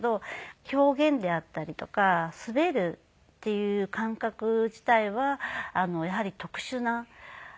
表現であったりとか滑るっていう感覚自体はやはり特殊な事であって。